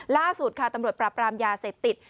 ล่าสุดค่ะตำรวจปราบรามยาเสพติด